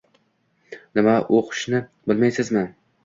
Nima, o`qishni bilmaysiz-mi